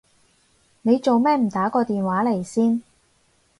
你做咩唔打個電話嚟先？